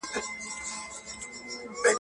ما ته بيرته يو ځل راكه اولادونه.